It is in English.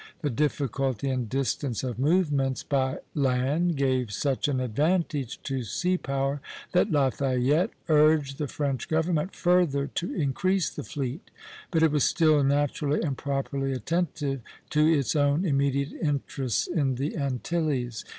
The difficulty and distance of movements by land gave such an advantage to sea power that Lafayette urged the French government further to increase the fleet; but it was still naturally and properly attentive to its own immediate interests in the Antilles.